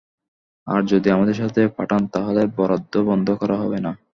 আর যদি আমাদের সাথে পাঠান তাহলে বরাদ্দ বন্ধ করা হবে না।